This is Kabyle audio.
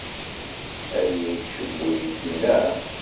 Aya yettcewwil-ikem, naɣ?